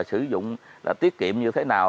sử dụng là tiết kiệm như thế nào